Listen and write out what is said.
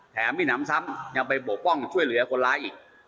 มิหนำซ้ำยังไปบกป้องช่วยเหลือคนร้ายอีก